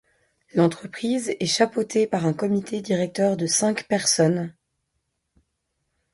L'entreprise est chapeautée par un comité directeur de cinq personnes.